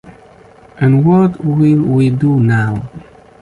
And what will we do now?